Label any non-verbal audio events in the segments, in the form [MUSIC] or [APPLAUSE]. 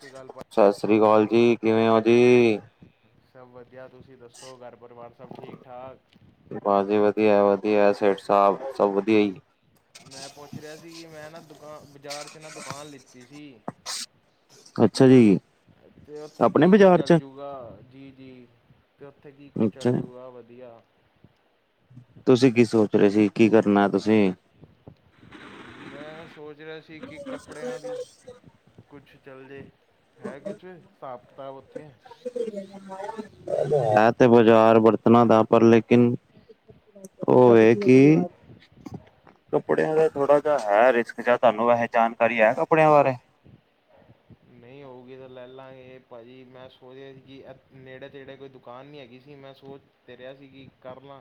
ਸੀ ਗੱਲਬਾਤ। ਸਤਿ ਸ੍ਰੀ ਅਕਾਲ ਜੀ, ਕਿਵੇ ਹੋ ਜੀ? ਸਭ ਵਧੀਆ ਤੁਸੀ ਦੱਸੋ ਘਰ ਪਰਿਵਾਰ ਸਭ ਠੀਕ ਠਾਕ? ਭਾਜੀ ਵਧੀਆ- ਵਧੀਆ ਸੇਠ ਸਾਬ ਸਭ ਵਧੀਆ ਹੀ। ਮੈਂ ਪੁੱਛ ਰਿਹਾ ਸੀ ਕਿ ਮੈ ਨਾ ਦੁਕਾਨ ਬਾਜ਼ਾਰ 'ਚ ਨਾ ਦੁਕਾਨ ਲਿੱਤੀ ਸੀ। ਅੱਛਾ ਜੀ ਤੇ ਉੱਥੇ ਆਪਣੇ ਕੀ ਕੁੱਝ ਬਾਜ਼ਾਰ ਚੱਲ ਚ ਜਉ? ਜੀ ਜੀ ਫ ਉੱਥੇ ਕੀ ਕੁੱਝ ਅੱਛਾ ਚੱਲ ਜੂਗਾ ਵਧੀਆ ਤੁਸੀਂ ਕੀ ਸੋਚ ਰਹੇ ਸੀ ਕੀ ਕਰਨਾ ਤੁਸੀਂ ਮੈਂ ਸੋਚ ਰਿਹਾ ਸੀ ਕਿ ਕੱਪੜਿਆਂ ਵੀ ਕੁਛ ਚੱਲ ਜਾੇ ਹੈ ਕੁਛ ਹਿਸਾਬ ਕਿਤਾਬ ਉੱਥੇ? ਹੈ ਤੇ ਬਾਜ਼ਾਰ ਬਰਤਣਾ ਦਾ ਪਰ ਲੇਕਿਨ ਉਹ ਇਹ ਕਿ ਕੱਪੜਿਆਂ ਦਾ ਥੋੜਾ ਜਿਹਾ ਹੈ ਰਿਸਕ ਜਾ, ਤੁਹਾਨੂੰ ਵੈਸੇ ਜਾਣਕਾਰੀ ਹੈ ਕੱਪੜਿਆਂ ਬਾਰੇ। ਨਹੀਂ ਹੋਊਗੀ ਤਾਂ ਲੈ ਲਾਂਗੇ ਪਾਜੀ, ਮੈਂ ਸੋਚ ਰਿਹਾ ਸੀ ਕਿ ਨੇੜੇ ਤੇੜੇ ਕੋਈ। ਦੁਕਾਨ ਵੀ ਹੈਗੀ ਸੀ, ਮੈਂ ਸੋਚ ਤੇ ਰਿਹਾ ਸੀ ਕਿ ਕਰ ਲਾਂ।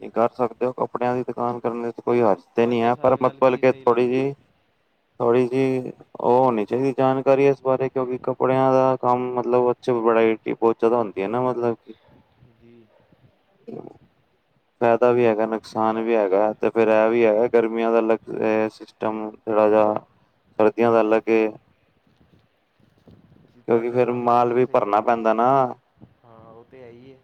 ਨਹੀਂ ਕਰ ਸਕਦੇ ਹੋ, ਕੱਪੜਿਆਂ ਦੀ ਦੁਕਾਨ ਕਰਨ ਚ ਕੋਈ ਹਰਜ। ਤੇ ਨੀ ਤੁਹਾਡੇ ਹੈ ਪਰ ਹਿਸਾਬ ਨਾਲ ਮਤਬਲ ਕੀ ਕੇ ਸਹੀ ਥੋੜੀ ਲੱਗਦਾ ਜਿਹੀ ਥੋੜੀ ਜਿਹੀ ਉਹ ਹੋਣੀ ਚਾਹੀਦੀ ਜਾਣਕਾਰੀ ਇਸ ਬਾਰੇ, ਕਿਉਂਕਿ ਕੱਪੜਿਆਂ ਦਾ ਕੰਮ ਮਤਲਬ ਉੱਚ ਬੜਾ ਈ। ਬਹੁਤ ਜ਼ਿਆਦਾ ਹੁੰਦੀਆਂ ਨਾ ਮਤਲਬ। [UNINTELLIGIBLE] ਜੀ [INAUDIBLE] ਫੈਦਾ ਵੀ ਹੈਗਾ ਨੁਕਸਾਨ ਵੀ ਹੈਗਾ ਤੇ ਫੇਰ ਇਹ ਵੀ ਹੈਗਾ ਗਰਮੀਆਂ ਦਾ ਅਲੱਗ ਸਿਸਟਮ ਥੋੜਾ ਜਿਹਾ, ਵਧੀਆ ਗੱਲ ਏ। ਕਿਉਂਕਿ ਤੁਹਾਡੇ ਫੇਰ ਹਿਸਾਬ ਨਾਲ ਮਾਲ ਕੀ ਵੀ ਸਹੀ ਭਰਨਾ ਰਹੂਗਾ, ਪੈਂਦਾ ਨਾ ਹਾਂ ਉਹ ਤੇ ਹੈ ਹੀ ਏ।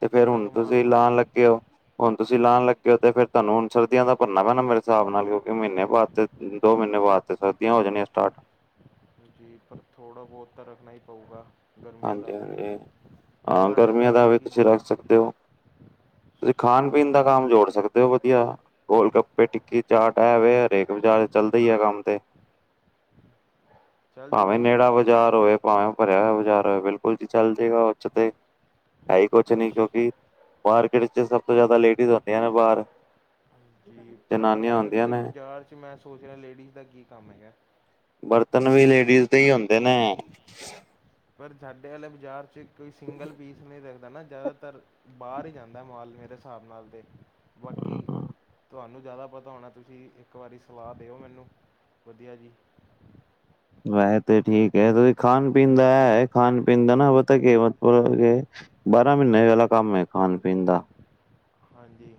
ਤੇ ਫੇਰ ਜਿੰਨਾ ਹੁਣ ਕਿ ਮਾਲ ਤੁਸੀਂ ਭਰੋ। ਲਾਣ ਲੱਗੇ ਹੋ ਹੁਣ ਤੁਸੀਂ ਲਾਉਣ ਹਾਂਜੀ ਲੱਗੇ ਹੋ ਤੇ ਫਿਰ ਤੁਹਾਨੂੰ ਹੁਣ ਸਰਦੀਆਂ ਦਾ ਭਰਨਾ ਪੈਣਾ, ਮੇਰੇ ਹਿਸਾਬ ਨਾਲ, ਕਿਉਂਕਿ ਮਹੀਨੇ ਬਾਅਦ ਤੇ। ਦੋ ਮਹੀਨੇ ਬਾਅਦ ਤੇ ਫਿਰ, ਸਰਦੀਆਂ ਹੋ ਜਾਣੀਆਂ ਸਟਾਰਟ ਜੀ, ਪਰ ਥੋੜ੍ਹਾ ਬਹੁਤ ਤਾਂ ਰੱਖਣਾ ਹੀ ਪਊਗਾ। ਗਰਮੀਆਂ ਦਾ ਹਾਂਜੀ- ਵੀ ਹਾਂਜੀ, ਹਾਂ ਤੁਹਾਡੇ ਗਰਮੀਆਂ ਹਿਸਾਬ ਦਾ ਨਾਲ ਵੀ, ਕੀ ਤੁਸੀਂ ਰੱਖ ਸਕਦੇ ਹੋ। ਤੁਸੀਂ ਖਾਣ ਪੀਣ ਜੀ ਦਾ ਕੰਮ ਜੋੜ ਸਕਦੇ ਹੋ ਵਧੀਆ, ਗੋਲ ਗੱਪੇ, ਟਿੱਕੀ ਚਾਟ। ਐਵੇ ਹਰੇਕ ਵੀਚਾਰ ਚੱਲਦਾ ਹੀ ਆ ਕੰਮ ਤੇ, ਚੱਲ ਭਾਵੇਂ ਜੂਗਾ ਉਹ ਨੇੜਾ। ਬਜ਼ਾਰ ਹੋਏ ਵੇ ਭਾਵੇਂ ਭਰਿਆ ਹੋਇਆ ਬਾਜ਼ਾਰ ਹੋਏ ਬਿਲਕੁਲ ਕੋਈ ਵੀ ਚੱਲ ਜੇਗਾ ਉਚ ਤੇ ਹੈਈ ਕੁਛ ਨੀ ਕਿਉਂਕਿ ਮਾਰਕੀਟ ਚ ਸਭ ਤੋਂ ਜ਼ਿਆਦਾ ਲੇਡੀਜ਼ ਹੋਂਦਿਆਂ ਨੇ ਬਾਹਰ ਜੀ, ਪਰ ਜਨਾਨੀਆਂ ਬਰਤਨ ਹੁੰਦੀਆਂ ਦੇ ਨੇ ਬਾਜ਼ਾਰ 'ਚ ਮੈਂ ਸੋਚ ਰਿਹਾ, ਲੇਡੀਜ਼ ਦਾ ਕੀ ਕੰਮ ਹੈਗਾ। ਬਰਤਨ ਵੀ ਲੇਡੀਜ਼ ਦੇ ਹੀ ਹੁੰਦੇ ਨੇ। ਪਰ ਸਾਡੇ ਵਾਲੇ ਬਾਜ਼ਾਰ ਚ ਕੋਈ ਸਿੰਗਲ ਪੀਸ ਨਹੀਂ। ਦਾ ਨਾ ਜ਼ਿਆਦਾਤਰ ਬਾਹਰ ਹੀ ਜਾਂਦਾ ਮਾਲ ਮੇਰੇ ਹਿਸਾਬ ਨਾਲ ਤੇ ਬਾਕੀ। ਤੁਹਾਨੂੰ ਜ਼ਿਆਦਾ ਪਤਾ ਹੋਣਾ, ਤੁਸੀਂ ਇੱਕ ਵਾਰੀ ਸਲਾਹ ਦਿਓ ਮੈਨੂੰ ਵਧੀਆ ਜੀ। ਵੈਸ ਤਾਂ ਠੀਕ ਹੈ, ਤੁਸੀ ਖਾਣ ਪੀਣ ਦਾ ਹੈ ਖਾਣ ਪੀਣ ਦਾ ਨਾ ਪਤਾ ਕੇ ਮਤਲਬ ਕੇ। ਬਾਰਾਂ ਮਹੀਨੇ ਵਾਲਾ ਕੰਮ ਹੈ, ਖਾਣ ਪੀਣ ਦਾ। ਹਾਂਜੀ।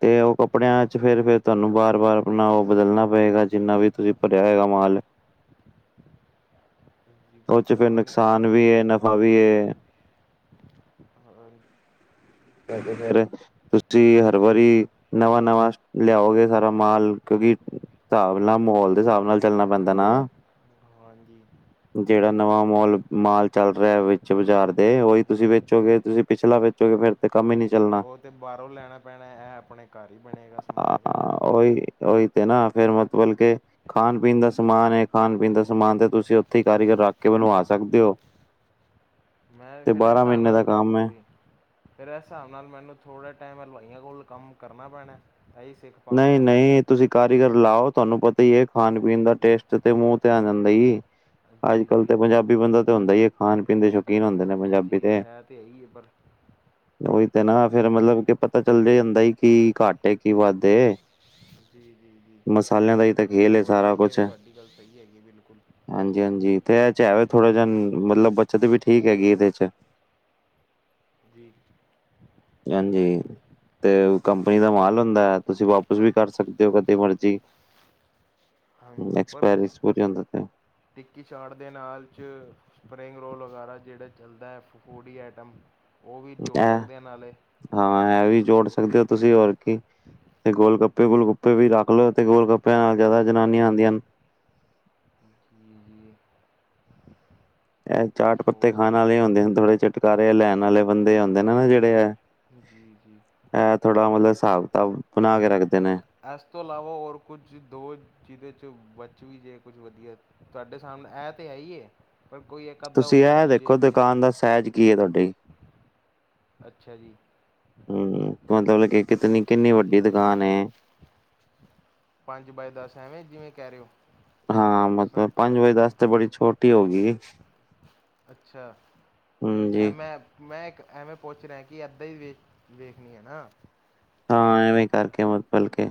ਤੇ ਉਹ ਕੱਪੜਿਆਂ ਚ ਫੇਰ, ਫੇਰ ਤੁਹਾਨੂੰ ਬਾਰ ਬਾਰ ਆਪਣਾ ਉਹ ਬਦਲਣਾ। ਪਏਗਾ ਜਿੰਨਾ ਵੀ ਤੁਸੀਂ ਭਰਿਆ ਹੋਗਾ ਮਾਲ। ਉਹ ਜਬਰ ਚ ਫਿਰ ਖਾਨ ਨੁਕਸਾਨ ਵੀ ਹੈ ਨਫ਼ਾ ਵੀ ਹੈ। ਹੋਰ ਫਿਰ, ਤੁਸੀਂ ਹਰ ਵਾਰੀ ਨਵਾਂ, ਨਵਾਂ ਲਿਆਓਗੇ ਸਾਰਾ। ਮਾਲ ਕਿਉਂਕਿ ਹਿਸਾਬ ਨਾਲ ਮਾਹੌਲ ਦੇ ਹਿਸਾਬ ਨਾਲ ਚੱਲਣਾ ਪੈਂਦਾ ਨਾ। ਹਾਂਜੀ। ਜਿਹੜਾ ਨਵਾਂ ਮੋਲ ਮਾਲ ਚੱਲ ਰਿਹਾ ਵਿਚ ਬਾਜ਼ਾਰ ਦੇ ਉਹੀ ਤੁਸੀਂ ਵੇਚੋਗੇ ਤੁਸੀਂ ਪਿਛਲਾ ਵੇਚੋਗੇ ਫੇਰ ਤੇ ਕੰਮ ਹੀ ਨਹੀਂ ਚੱਲਣਾ। ਉਹ ਤੇ ਬਾਹਰੋਂ ਲੈਣਾ ਪੈਣਾ, ਇਹ ਆਪਣੇ ਘਰ ਹੀ ਬਣੇਗਾ ਅ ਸਮਾਨ ਸਾਰਾ ਅ, ਉਹੀ ਉਹੀ ਤੇ ਨਾ, ਫੇਰ ਮਤਲਬ ਕੇ। ਖਾਣ ਪੀਣ ਦਾ ਸਮਾਨ ਹੈ, ਖਾਣ ਪੀਣ ਦਾ ਸਮਾਨ ਤੇ ਤੁਸੀਂ ਉੱਥੇ ਹੀ ਕਾਰੀਗਰ ਰੱਖ ਕੇ ਬਣਵਾ ਸਕਦੇ ਹੋ। ਮੈਂ ਤੇ ਫਿਰ ਇਸ ਬਾਰਾਂ ਹਿਸਾਬ ਮਹੀਨੇ ਨਾਲ, ਦਾ ਕੰਮ ਹੈ। ਜੀ ਫਿਰ ਇਸ ਹਿਸਾਬ ਨਾਲ ਮੈਨੂੰ ਥੋੜ੍ਹੇ ਟਾਈਮ ਹਲਵਾਈਆਂ ਕੋਲ ਕੰਮ ਕਰਨਾ ਪੈਣਾ, ਤਾਂਹੀ ਸਿੱਖ ਨਹੀਂ, ਪਾਵਾਂਗਾ ਨਹੀਂ ਤੁਸੀਂ ਕਾਰੀਗਰ ਲਾਓ ਤੁਹਾਨੂੰ ਪਤਾ ਹੀ ਹੈ। ਖਾਣ ਪੀਣ ਦਾ ਟੇਸਟ ਤੇ ਮੂੰਹ ਤੇ ਆ ਜਾਂਦਾ ਸੀ, ਅੱਜ ਜੀ ਕਲ ਤੇ ਪੰਜਾਬੀ ਜੀ ਪੰਜਾਬੀ ਬੰਦਾ ਤਾਂ ਹੁੰਦਾ ਹੀ ਹੈ, ਖਾਣ ਪੀਣ ਦੇ ਸ਼ੌਕੀਨ ਹੁੰਦੇ ਨੇ ਪੰਜਾਬੀ ਜੀ ਦੇ। ਹੈ ਤੇ ਇਹੀ ਹੈ ਪਰ ਉਹੀ ਤੇ ਨਾ, ਫੇਰ ਮਤਲਬ ਕਿ ਪਤਾ ਚੱਲਦਾ ਜਾਂਦਾ ਕੀ ਘਟ ਕੀ ਵੱਧ ਜੀ, ਜੀ, ਜੀ ਮਸਾਲਿਆਂ ਦਾ ਹੀ ਤਾਂ ਹਾਂਜੀ ਖੇਲ ਏ ਉਹ ਤਾਂ ਹੈ ਸਾਰਾ ਹੀ ਹੈ ਕੁਛ ਵੀ ਤੁਹਾਡੀ ਗੱਲ ਸਹੀ ਹੈਗੀ। ਬਿਲਕੁਲ ਹਾਂਜੀ, ਹਾਂਜੀ ਤੇ ਇਹ 'ਚ ਹੈ ਥੋੜਾ ਜ ਮਤਲਬ ਬੱਚਤ ਵੀ ਠੀਕ ਹੈਗੀ ਇਹਦੇ ਚ। ਜੀ। ਹਾਂਜੀ। ਤੇ ਕੰਪਨੀ ਦਾ ਮਾਲ ਹੁੰਦਾ ਹੈ, ਤੁਸੀਂ ਵਾਪਿਸ ਵੀ ਕਰ ਸਕਦੇ ਹੋ ਕਦੇ ਮਰਜੀ। ਹਾਂਜੀ ਪਰ ਐਕਸਪਾਇਰੀ ਸਪੂਰੀ ਹੁੰਦਾ ਤੇ ਟਿੱਕੀ ਚਾਟ ਦੇ ਨਾਲ 'ਚ ਸਪਰਿੰਗ ਰੋਲ ਵਗੈਰਾ ਜਿਹੜਾ ਚੱਲਦਾ ਹੈ, ਫੂਡ ਹੀ ਆਈਟਮ ਉਹ ਵੀ ਜੋੜ ਇਹ ਸਕਦੇ ਆ ਨਾਲੇ। ਹਾਂ, ਇਹ ਵੀ ਜੋੜ ਸਕਦੇ ਹੋ ਤੁਸੀਂ ਹੋਰ ਕੀ। ਤੇ ਗੋਲ ਗੱਪੇ, ਗੋਲ ਗੱਪੇ ਵੀ ਰੱਖ ਲੋ ਤੇ ਗੋਲ ਗੱਪਿਆਂ ਨਾਲ ਜ਼ਿਆਦਾ ਜਨਾਨੀਆਂ ਆਉਂਦੀਆਂ ਹਨ। ਹਮ ਇਹ ਚਾਟ ਪੱਤੇ ਖਾਣ ਸੋਚ ਵਾਲੇ ਹੁੰਦੇ ਹਨ, ਥੋੜੇ ਚੁਟਕਾਰੇ ਲੈਣ ਵਾਲੇ ਬੰਦੇ ਆਉਂਦੇ ਨੇ ਨਾ ਜਿਹੜੇ ਇਹ, ਜੀ ਜੀ ਇਹ ਥੋੜ੍ਹਾ ਮਤਲਬ ਹਿਸਾਬ ਕਿਤਾਬ ਬਣਾ ਕੇ ਰੱਖਦੇ ਨੇ। ਇਸ ਤੋਂ ਇਲਾਵਾ ਹੋਰ ਕੁਝ ਦੋ ਜਿਹਦੇ 'ਚ ਬਚ ਵੀ ਜਾਏ ਕੁਝ ਵਧੀਆ ਤੁਹਾਡੇ ਸਾਹਮਣੇ ਇਹ ਤੇ ਹੈ ਹੀ ਇਹ ਪਰ ਕੋਈ ਇੱਕ ਅੱਧਾ ਤੁਸੀਂ ਹੋਰ ਇਹ ਜੇ, ਦੇਖੋ ਜੇ ਨਾ ਦੁਕਾਨ ਦਾ ਸਾਈਜ਼ ਕੀ ਹੈ ਤੁਹਾਡੀ ਅੱਛਾ ਜੀ। ਹਮ ਮਤਲਬ ਕੇ ਕਿਤਨੀ ਕਿੰਨੀ ਵੱਡੀ ਦੁਕਾਨ ਏ। ਪੰਜ ਬਾਏ ਦਸ ਐਵੇਂ ਜਿਵੇਂ ਕਹਿ ਰਹੇ ਹੋ। ਹਾਂ ਮਤਲਬ ਪੰਜ ਬਾਏ ਦਸ ਤੇ ਬੜੀ ਛੋਟੀ ਹੋ ਗਈ। ਅੱਛਾ, ਹਮ ਜੀ ਐਮ ਐਪ ਮੈਂ ਇੱਕ ਐਵੇਂ ਪੁੱਛ ਰਿਹਾ ਕਿ ਇੱਦਾਂ ਹੀ ਵੇਖ ਵੇਖਣੀ ਹੈ ਨਾ। ਹਾਂ। ਐਵੇਂ ਕਰਕੇ ਬਲ ਕੇ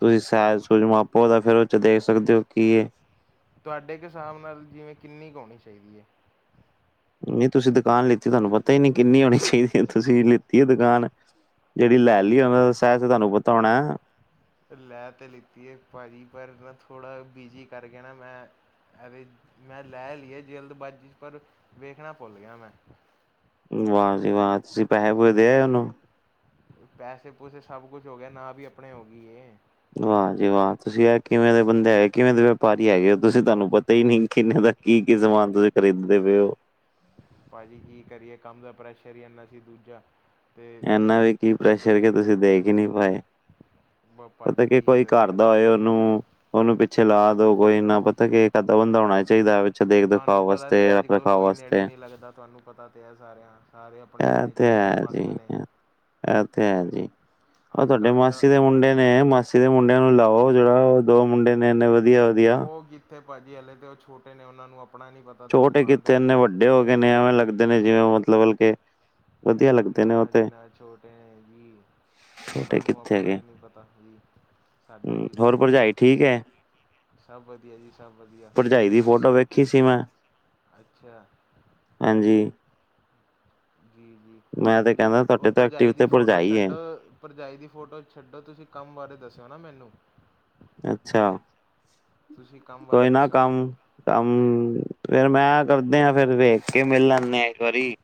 ਤੁਸੀਂ ਅੱਛਾ ਸਾਈਜ ਅੱਛਾ ਸੂਝ ਮਾਪੋ ਤਾਂ ਫੇਰ ਉਹ ਚ ਦੇਖ ਸਕਦੇ ਹੋ। ਕੀ ਤੁਹਾਡੇ ਕਿਸ ਹਿਸਾਬ ਨਾਲ ਜਿਵੇਂ ਕਿੰਨੀ ਕੁ ਹੋਣੀ ਚਾਹੀਦੀ ਹੈ? ਨਹੀਂ ਤੁਸੀਂ ਦੁਕਾਨ ਲਿਤੀ ਤੁਹਾਨੂੰ ਪਤਾ ਹੀ ਨਹੀਂ ਕਿੰਨੀ ਹੋਣੀ ਚਾਹੀਦੀ ਹੈ। ਤੁਸੀਂ ਲਿਤੀ ਹੈ ਦੁਕਾਨ ਜਿਹੜੀ ਲੈ ਲਈ ਦਿੱਲੀ ਉਹ ਦਾ ਸਾਈਜ ਤੁਹਾਨੂੰ ਪਤਾ ਹੋਣਾ। ਲੈ ਤਾਂ ਲਿੱਤੀ ਹੈ। ਭਾਜੀ ਪਰ ਨਾ ਥੋੜ੍ਹਾ ਬਿਜ਼ੀ ਕਰਕੇ ਨਾ ਮੈਂ। ਅਰੇ ਮੈਂ ਲੈ ਲਈਏ ਜਲਦਬਾਜ਼ੀ ਚ ਪਰ ਵੇਖਣਾ ਭੁੱਲ ਗਿਆ ਮੈਂ। ਵਾਹ ਜੀ ਵਾਹ! ਤੁਸੀਂ ਪੈਸੇ ਪੂਸੇ ਦੇ ਆਏ ਉਹਨੂੰ। ਪੈਸੇ ਪੂਸੇ ਸਭ ਕੁਛ ਹੋ ਗਿਆ ਨਾਂ ਵੀ ਆਪਣੇ ਹੋ ਗਈ ਇਹ ਵਾਹ ਜੀ ਵਾਹ ਤੁਸੀਂ ਆ ਕਿਵੇਂ ਦੇ ਬੰਦੇ ਹੈਗੇ। ਕਿਵੇਂ ਦੇ ਵਪਾਰੀ ਹੈਗੇ ਹੋ। ਤੁਸੀਂ ਤੁਹਾਨੂੰ ਪਤਾ ਹੀ ਨਹੀਂ। ਕਿੰਨੇ ਦਾ ਕੀ-ਕੀ ਸਮਾਨ ਤੁਸੀਂ ਖਰੀਦਦੇ ਪਏ ਹੋ। ਭਾਜੀ ਕੀ ਕਰੀਏ ਕੰਮ ਦਾ ਪ੍ਰੈਸ਼ਰ ਹੀ ਇੰਨਾ ਸੀ ਦੂਜਾ ਤੇ ਇੰਨਾ ਵੀ ਕੀ ਪ੍ਰੈਸ਼ਰ ਕਿ ਤੁਸੀਂ ਦੇਖ ਹੀ ਨਹੀਂ ਪਾਏ। ਪਤਾ ਭਾਜੀ ਕੀ ਕੋਈ ਦੱਸੀਏ ਕਰਦਾ ਹੋਏ ਤੁਹਾਨੂੰ ਉਹਨੂੰ ਉਹਨੂੰ ਪਿੱਛੇ ਲਾ ਦੋ ਕੋਈ ਇੰਨਾ ਪਤਾ ਕਿ ਇਕ ਅੱਧਾ ਬੰਦਾ ਹੋਣਾ ਚਾਹੀਦਾ। ਪਿੱਛੇ ਦੇਖ ਤੁਹਾਨੂੰ ਦਿਖਾਓ ਪਤਾ ਵਾਸਤੇ ਤੇ ਰੱਖ ਅੱਜ-ਕੱਲ੍ਹ ਰਖਾਓ ਕੋਈ ਵਾਸਤੇ ਨੇੜੇ ਨਹੀਂ ਲੱਗਦਾ, ਤੁਹਾਨੂੰ ਪਤਾ ਤੇ ਹੈ ਸਾਰਿਆਂ, ਸਾਰੇ ਇਹ ਆਪਣੇ-ਆਪਣੇ ਤੇ ਚ ਹੈ ਜੀ ਮਸਤ ਨੇ ਇਹ ਤੇ ਹੈ ਜੀ, ਉਹ ਅੱਜ ਤੁਹਾਡੇ ਕੱਲ੍ਹ ਦਾ ਮਾਸੀ ਦੇ ਮੁੰਡੇ ਨੇ, ਮਾਸੀ ਕਿਸੇ ਮੁੰਡਿਆਂ ਨੂੰ ਲਾਓ, ਜਿਹੜਾ ਉਹ ਦੋ ਮੁੰਡੇ ਨੇ ਇੰਨੇ ਵਧੀਆ। ਵਧੀਆ ਉਹ ਕਿਥੇ ਭਾਜੀ ਹਲੇ ਤੇ ਉਹ ਛੋਟੇ ਨੇ, ਉਹਨਾ ਨੂੰ ਆਪਣਾ ਨੀ ਪਤਾ। ਤੇ ਛੋਟੇ ਦੁਕਾਨ ਦਾ ਕਿੱਥੇ ਇੰਨੇ ਕੀ ਵੱਡੇ ਹੋ ਗਏ ਨੇ, ਐਵੇਂ ਲੱਗਦੇ ਨੇ ਜਿਵੇਂ ਮਤਲਬ ਕਿ ਨਾ ਜੀ ਨਾ ਛੋਟੇ ਹੈ ਜੀ। ਛੋਟੇ ਉਹਨਾਂ ਨੂੰ ਕਿੱਥੇ ਆਪਣਾ ਹੈਗੇ ਹੀ ਨਹੀਂ ਪਤਾ ਜੀ, ਸਾਡਾ ਹੂੰ ਕੀ ਹੋਰ ਦੱਸਣਗੇ। ਭਰਜਾਈ ਠੀਕ ਹੈ ਸਭ ਵਧੀਆ ਜੀ-ਸਭ ਵਧੀਆ, ਭਰਜਾਈ ਦੀ ਤੁਸੀਂ ਫੋਟੋ ਦੱਸੋ, ਵੇਖੀ ਸੀ ਮੈਂ ਅੱਛਾ ਹਾਂਜੀ। ਮੈਂ ਤੇ ਜੀ-ਜੀ, ਕਹਿੰਦਾ ਉਹ ਤੁਹਾਡੇ ਤੋਂ ਭਰਜਾਈ ਐਕਟਿਵ ਦੀ ਤੇ ਫੋਟੋ ਭਰਜਾਈ ਹੈ ਛੱਡ। ਭਰਜਾਈ ਦੀ ਫੋਟੋ ਛੱਡੋ, ਤੁਸੀਂ ਕੰਮ ਬਾਰੇ ਦੱਸਿਓ ਨਾ ਮੈਨੂੰ। ਅੱਛਾ। ਤੁਸੀਂ ਕੰਮ ਬਾਰੇ ਕੋਈ ਨਾ ਦੱਸਿਓ ਕੰਮ ਮੈਨੂੰ ਕੰਮ ਫੇਰ ਮੈਂ ਕਰਦੇ ਹਾਂ, ਫਿਰ ਵੇਖ ਕੇ ਮਿਲ ਲੈਂਨੇ ਆ ਇੱਕ ਵਾਰੀ।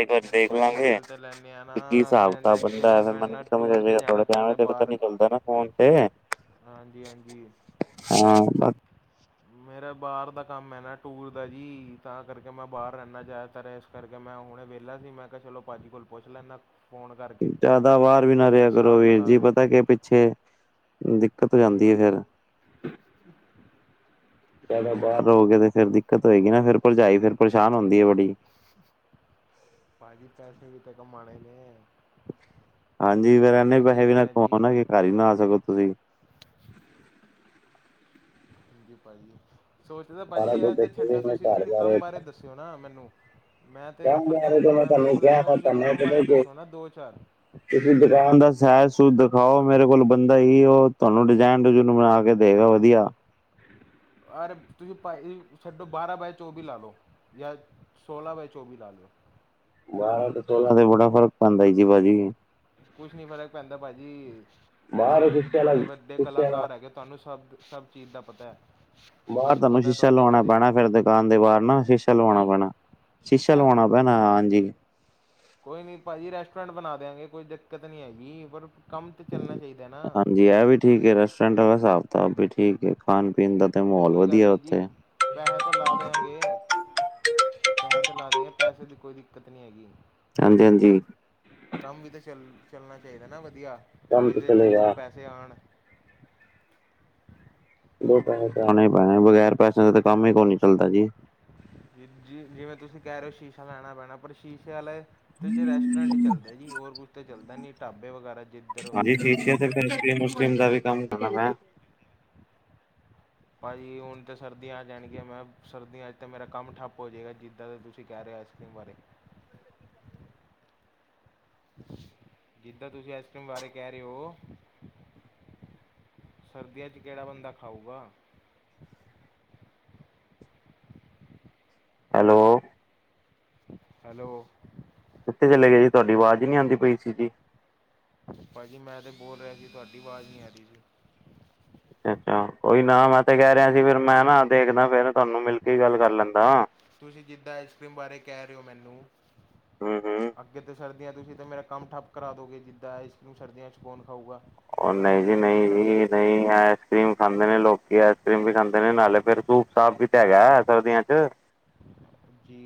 ਇੱਕ ਵਾਰ ਜੀ ਦੇਖ ਭਾਜੀ ਲਾਂਗੇ ਮਿਲ ਤੇ ਲੈਂਦੇ ਹਾਂ ਵੀ ਨਾ ਕੀ ਹਿਸਾਬ ਮੈਂ ਕਿਤਾਬ ਬਣਦਾ, ਐਕਚੁਅਲ ਫੇਰ ਮੈਂ ਮੈਨੂੰ ਨਾ ਵੀ ਸਮਝ ਆ ਟੂਰ 'ਤੇ ਜੇਗਾ, ਜਾਣਾ ਥੋੜਾ ਧਿਆਨ ਪੈਂਦਾ ਪਤਾ ਨੀ ਚੱਲਦਾ। ਪਰਾਂ ਫੋਨ ਪਿਆ। ਹਾਂਜੀ-ਹਾਂਜੀ। ਹਾਂ ਮਤ ਮੇਰਾ ਬਾਹਰ ਦਾ ਕੰਮ ਐ ਨਾ ਟੂਰ ਦਾ ਜੀ, ਤਾਂ ਕਰਕੇ ਮੈਂ ਬਾਹਰ ਰਹਿੰਦਾ ਜ਼ਿਆਦਾਤਰ। ਕਰਕੇ ਮੈਂ ਹੁਣੇ ਵੇਹਲਾ ਸੀ, ਮੈਂ ਕਿਹਾ ਚਲੋ ਭਾਜੀ ਕੋਲ ਪੁੱਛ ਲੈਂਨਾ। ਜ਼ਿਆਦਾ ਬਾਹਰ ਵੀ ਨਾ ਰਿਹਾ ਕਰੋ ਵੀਰ ਜੀ, ਕਿਤਾਬ ਹੈ ਪਤਾ ਕੀ ਪਿੱਛੇ ਦਿੱਕਤ ਹੋ ਜਾਂਦੀ ਐ ਫੇਰ। [UNINTELLIGIBLE] ਜ਼ਾਦਾ ਬਾਹਰ ਰਹੋਗੇ ਤਾਂ ਫਿਰ ਦਿੱਕਤ ਹੋਏਗੀ ਨਾ, ਫੇਰ ਭਰਜਾਈ ਫਿਰ ਪਰੇਸ਼ਾਨ ਹੁੰਦੀ ਬੜੀ। ਭਾਜੀ, ਪੈਸੇ ਵੀ ਤੇ ਕਮਾਣੇ ਨੇ। ਹਾਂਜੀ ਫੇਰ ਹੁਣ ਇਨੇ ਮੈਂ ਕੀ ਪੈਸੇ ਵੀ ਨਾ ਕਰਿਆ ਜੀ ਕਮਾਉਣਾ, ਕਿ ਘਰ ਹੀ ਨਾ ਆ ਸਕੋ ਤੁਸੀਂ। ਹਾਂਜੀ, ਭਾਜੀ। ਸੋਚਦਾ ਸਾਰਾ ਭਾਜੀ ਕੁਝ ਇਹ ਤੇ ਛੱਡੋ, ਦੇਖੋਗੇ ਮੈਂ ਘਰ ਤੁਸੀਂ-ਤੁਸੀਂ ਕੰਮ ਬਾਰੇ ਦੱਸੋ ਨਾ ਮੈਨੂੰ, ਮੈਂ ਤੇ ਤਾਂ ਉਹ ਭਰਜਾਈ ਨੂੰ ਮੈਂ ਤੁਹਾਨੂੰ ਵੇਖ ਕਿਹਾ ਲਾਂਗਾ, ਮੈਂ ਤੁਸੀਂ ਤੁਹਾਨੂੰ ਕੰਮ ਪਤਾ ਬਾਰੇ ਕਿ ਦੱਸੋ ਨਾ ਦੋ ਚਾਰ ਤੁਸੀਂ ਦੁਕਾਨ ਦਾ ਸੈਜ ਸੂਜ ਦਿਖਾਓ, ਮੇਰੇ ਕੋਲ ਬੰਦਾ ਹੀ, ਉਹ ਤੁਹਾਨੂੰ ਡਿਜ਼ਾਇਨ ਡਜੂਨ ਬਣਾ ਕੇ ਦੇਗਾ ਵਧੀਆ। ਯਾਰ ਤੁਸੀਂ ਭਾਜੀ ਛੱਡੋ, ਬਾਰਾਂ ਬਾਏ ਚੌਵੀ ਲਾ ਲੋ। ਜਾਂ ਸੋਲਾਂ ਬਾਏ ਚੌਵੀ ਲਾ ਲੋ। ਬਾਰਾਂ ਤੇ ਸੋਲਾਂ ਤੇ ਬੜਾ ਫ਼ਰਕ ਪੈਂਦਾ ਈ ਜੀ, ਭਾਜੀ। ਕੁਛ ਨੀ ਫ਼ਰਕ ਪੈਂਦਾ ਭਾਜੀ, ਬਾਹਰ ਤੁਸੀਂ ਸ਼ੀਸ਼ੇ ਵਾਲਾ ਬੜੇ ਵੱਡੇ ਸ਼ੀਸ਼ੇ ਵਾਲਾ ਕਲਾਕਾਰ ਹੈਗੇ। ਤੁਹਾਨੂੰ ਸਭ- ਸਭ ਚੀਜ਼ ਦਾ ਪਤਾ। ਬਾਹਰ ਤੁਹਾਨੂੰ ਪਤਾ ਸ਼ੀਸ਼ਾ ਤੁਹਾਡੇ ਲਵਾਣਾ ਬਾਰੇ ਪੈਣਾ, ਫੇਰ ਦੁਕਾਨ ਦੇ ਬਾਹਰ ਨਾ ਸ਼ੀਸ਼ਾ ਲਵਾਣਾ ਜੀ ਪੈਣਾ, ਸ਼ੀਸ਼ਾ ਲਵਾਣਾ ਕਹਿੰਦਾ ਹਾਂਜੀ। ਕੋਈ ਨੀ ਭਾਜੀ ਰੈਸਟੋਰੈਂਟ ਬਣਾ ਦਿਆਂਗੇ, ਕੋਈ ਦਿੱਕਤ ਨਹੀਂ ਹੈਗੀ, ਪਰ ਕੰਮ ਤੇ ਚੱਲਣਾ ਚਾਹੀਦਾ ਨਾ। ਹਾਂਜੀ ਇਹ ਵੀ ਠੀਕ ਏ ਰੈਸਟੋਰੈਂਟ ਵਾਲਾ ਸਾਬ ਕਤਾਬ ਵੀ ਠੀਕ ਐ, ਖਾਣ ਪੀਣ ਦਾ ਤੇ ਮਾਹੌਲ ਕੋਈ ਗੱਲ ਵਧੀਆ ਨਹੀਂ ਜੀ ਉੱਥੇ। ਪੈਸੇ ਤਾਂ ਲਾ ਦਿਆਂਗੇ, ਪੈਸੇ ਤੇ ਲਾ ਦਿਆਂਗੇ, ਪੈਸੇ ਦੀ ਕੋਈ ਦਿੱਕਤ ਨਹੀਂ ਹੈਗੀ। ਹਾਂਜੀ- ਹਾਂਜੀ। ਕੰਮ ਵੀ ਤਾਂ ਚੱਲ ਚੱਲਣਾ ਚਾਹੀਦਾ ਨਾ ਵਧੀਆ, ਕੰਮ ਤੇ ਜਿਹਦੇ ਚ ਦੋ ਚਲੇਗਾ ਪੈਸੇ ਆਣ। ਦੋ ਪੈਸੇ ਤਾਂ ਆਣੇ ਹੀ ਪੈਣੇ, ਬਗੈਰ ਪੈਸਿਆਂ ਦੇ ਤਾਂ ਕੰਮ ਹੀ ਕੋਈ ਨੀ ਚੱਲਦਾ ਜੀ। ਵੀਰ ਜੀ ਜਿਵੇਂ ਤੁਸੀਂ ਕਹਿ ਰਹੇ ਹੋ, ਸ਼ੀਸ਼ਾ ਲਾਣਾ ਪੈਣਾ, ਪਰ ਸ਼ੀਸ਼ੇ ਵਾਲੇ ਤੇ ਜੇ ਰੈਸਟੋਰੈਂਟ ਚੱਲਦਾ ਜੀ, ਹੋਰ ਕੁਝ ਤਾਂ ਚੱਲਦਾ ਨੀ, ਢਾਬੇ ਵਗੈਰਾ ਜਿੱਧਰ ਹੁੰਦੇ ਨੇ। ਫੇਰ ਆਈਸਕਰੀਮ ਉਸਕਰੀਮ ਦਾ ਵੀ ਕੰਮ ਕਰਨਾ ਮੈਂ। ਭਾਜੀ ਹੁਣ ਤਾਂ ਸਰਦੀਆਂ ਆ ਜਾਣਗੀਆਂ, ਮੈਂ ਸਰਦੀਆਂ ਚ ਤਾਂ ਮੇਰਾ ਕੰਮ ਠੱਪ ਹੋ ਜੇਗਾ, ਜਿੱਦਾਂ ਦਾ ਤੁਸੀਂ ਕਹਿ ਰਹੇ ਸੀ। ਤੂੰ ਬਾਰੇ। ਜਿੱਦਾਂ ਤੁਸੀਂ ਆਈਸਕ੍ਰੀਮ ਬਾਰੇ ਕਹਿ ਰਹੇ ਹੋ। ਸਰਦੀਆਂ ਚ ਕਿਹੜਾ ਬੰਦਾ ਖਾਊਗਾ। Hello hello. ਕਿੱਥੇ ਚਲੇ ਗਏ ਜੀ। ਤੁਹਾਡੀ ਆਵਾਜ਼ ਨੀ ਆਦੀ ਪਈ ਸੀ ਜੀ। ਪਾਜੀ ਮੈਂ ਤੇ ਬੋਲ ਰਿਹਾ ਸੀ। ਤੁਹਾਡੀ ਆਵਾਜ਼ ਨੀ ਆ ਰਹੀ ਸੀ। [UNINTELLIGIBLE] ਕੋਈ ਨਾ ਮੈਂ ਤੇ ਕਹਿ ਰਿਹਾ ਸੀ। ਫੇਰ ਮੈਂ ਨਾ ਦੇਖਦਾ ਫੇਰ ਤੁਹਾਨੂੰ ਮਿਲ ਕੇ ਗੱਲ ਕਰ ਲੈਂਦਾ। ਤੁਸੀਂ ਜਿੱਦਾਂ ਆਈਸਕ੍ਰੀਮ ਬਾਰੇ ਕਹਿ ਰਹੇ ਔ‌ ਮੈਨੂੰ। ਹੂੰ-ਹੂੰ। ਅੱਗੇ ਤਾਂ ਸਰਦੀਆਂ ਤੁਸੀਂ ਤਾਂ ਮੇਰਾ ਕੰਮ ਠੱਪ ਕਰਾ ਦੋਗੇ ਜਿੱਦਾਂ ਇਸੂੰ ਸਰਦੀਆਂ ਚ ਕੌਣ ਖਾਊਗਾ? ਉਹ ਮੈਂ ਨਹੀਂ ਇਕੱਲੇ ਥੋੜ੍ਹੀ ਜੀ-ਨਹੀਂ ਖਾਣੀ ਹੈ ਜੀ-ਨਹੀਂ। ਆਈਸ ਕਰ੍ਰੀਮ ਖਾਂਦੇ ਨੇ ਲੋਕੀ ਆਈਸ ਕਰ੍ਰੀਮ ਵੀ ਖਾਂਦੇ ਨੇ ਨਾਲੇ ਫਿਰ ਸੂਪ-ਸਾਪ ਵੀ ਤੇ ਹੈਗਾ ਹੈ ਸਰਦੀਆਂ ਚ। ਜੀ।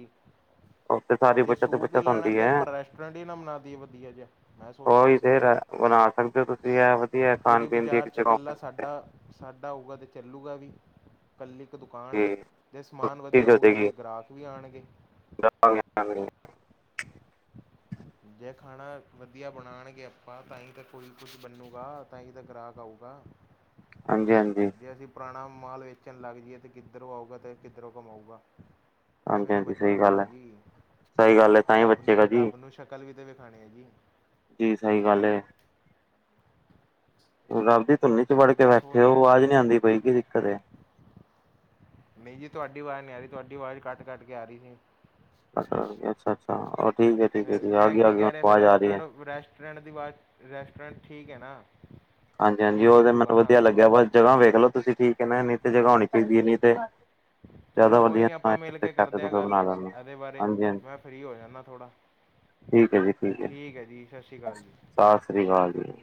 ਓਕੇ ਸ ਜੇ ਸੂਪ ਹੀ ਲੈਣਾ ਤੇ ਆਪਾਂ ਰੈਸਟੋਰੈਂਟ ਹੀ ਨਾ ਬਣਾ ਦੇਈਏ ਵਧੀਆ ਜਿਹਾ ਮੈਂ ਸੋਚ ਰਿਹਾ ਉਹੀ ਸੀ। ਤੇ ਬਣਾ ਸਕਦੇ ਹੋ ਤੁਸੀਂ ਇਹ ਵ ਪੂਰੀ ਬਾਜ਼ਾਰ ਚ ਇਕੱਲਾ ਸਾਡਾ, ਸਾਡਾ ਹੋਊਗਾ ਤਾਂ ਚੱਲੂਗਾ ਵੀ। ਇਕੱਲੀ ਇੱਕ ਦੁਕਾਨ ਚੀਜ਼ ਜੇ ਸਮਾਨ ਵਧੀਆ ਹੋ ਹੋਊਗਾ ਜਾਏਗੀ ਤੇ ਗ੍ਰਾਹਕ ਵੀ ਆਣਗੇ। [INAUDIBLE] ਜੇ ਖਾਣਾ ਵਧੀਆ ਬਣਾਣਗੇ ਆਪਾਂ ਤਾਂ ਹੀ ਤਾਂ ਕੋਈ ਕੁੱਛ ਬਨੂਗਾ ਤਾਂ ਹੀ ਤਾਂ ਗ੍ਰਾਹਕ ਆਊਗਾ। [INAUDIBLE] ਹਾਂਜੀ-ਹਾਂਜੀ। ਜੇ ਅਸੀਂ ਪੁਰਾਣਾ ਮਾਲ ਵੇਚਣ ਲੱਗ ਜਾਈਏ ਤਾਂ ਕਿੱਧਰੋਂ ਆਊਗਾ ਅਤੇ ਕਿੱਧਰੋਂ ਕਮਾਊਗਾ? ਕੁੱਛ ਵੀ ਹਾਂਜੀ ਨਹੀਂ ਹਾਂਜੀ ਬਚਣਾ ਸਹੀ ਗੱਲ ਹੈ ਸਾਨੂੰ ਜੀ ਸਹੀ ਗੱਲ ਹੈ ਤਾਂ ਹੀ ਰੱਬ ਨੂੰ, ਬੱਚੇਗਾ ਜੀ ਰੱਬ ਨੂੰ ਸ਼ਕਲ ਵੀ ਤਾਂ ਵਿਖਾਣੀ ਏ ਜੀ। ਜੀ ਸਹੀ ਗੱਲ ਏ। ਰੱਬ ਦੀ ਧੁੰਨੀ ਚ ਵੜ ਕੇ ਮੈਂ ਬੈਠੇ ਸੋਚ ਉ ਰਿਹਾ ਆਵਾਜ਼ ਨੀ ਆਦੀ ਪਈ ਕੀ ਦਿੱਕਤ ਏ? ਨਹੀਂ ਜੀ ਤੁਹਾਡੀ ਆਵਾਜ਼ ਨਹੀਂ ਆ ਰਹੀ ਤੁਹਾਡੀ ਆਵਾਜ਼ ਕੱਟ-ਕੱਟ ਕੇ ਆ ਰਹੀ ਸੀ। ਅੱਛਾ- ਅੱਛਾ ਠੀਕ ਹੈ-ਠੀਕ ਫਿਰ ਜੀ ਆਗੀ-ਆਗੀ ਹੁਣ ਵਾਜ ਆ ਰਹੀ ਏ। ਟ੍ਰੈਂਡ ਦੀ ਵਾਜ ਰੈਸਟੋਰੈਂਟ ਠੀਕ ਏ ਨਾ। ਹਾਂਜੀ- ਹਾਂਜੀ ਠੀਕ ਉਹ ਤੇ ਚੱਲੂਗਾ ਮੈਨੂੰ ਨਾ ਵਧੀਆ ਲੱਗਿਆ ਬਸ ਜਗ੍ਹਾ ਵੇਖ ਲੋ ਤੁਸੀਂ ਕੀ ਠੀਕ ਏ ਨਾ ਇਨੀ ਤੇ ਜਗਾ ਹੋਣੀ ਚਾਈਦੀ ਏ ਨਹੀ ਤੇ- ਚਲੋ ਜ਼ਿਆਦਾ ਕੋਈ ਵਧੀਆ ਨਹੀਂ ਆਪਾਂ ਮਿਲ ਕੇ ਕਰਦੇ ਤੁ ਹਾਂ ਗੱਲ ਬਣਾ ਲੈਣਾਂ ਇਹਦੇ ਬਾਰੇ ਹਾਂਜੀ-ਹਾਂਜੀ। ਮੈਂ ਫ੍ਰੀ ਹੋ ਜਾਂਦਾ ਥੋੜ੍ਹਾ ਠੀਕ ਹੈ ਜੀ ਠੀਕ ਹੈ ਜੀ ਸਤਿ ਸ਼੍ਰੀ ਅਕਾਲ ਜੀ ਸਾਸ ਸ੍ਰੀ ਕਾਲ ਜੀ।